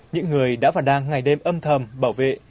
những người đã vào đàn ngày đêm âm thầm bảo vệ